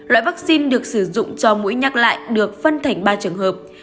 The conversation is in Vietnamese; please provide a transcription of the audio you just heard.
loại vaccine được sử dụng cho mũi nhắc lại được phân thành ba trường hợp